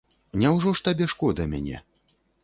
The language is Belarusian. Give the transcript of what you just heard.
Няўжо ж табе шкода мяне?